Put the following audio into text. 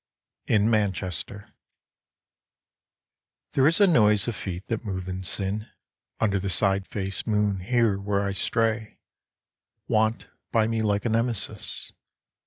IN MANCHESTER There is a noise of feet that move in sin Under the side faced moon here where I stray, Want by me like a Nemesis.